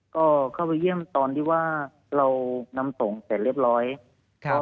ก็เข้าไปเยี่ยมตอนที่ว่าเรานำส่งเสร็จเรียบร้อยครับ